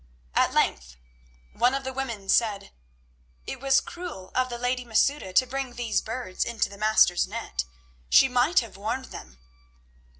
At length one of the women said: "It was cruel of the lady Masouda to bring these birds into the Master's net. She might have warned them."